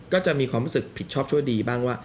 ก็จะมีความรู้สึกผิดชอบชั่วดีบ้างว่า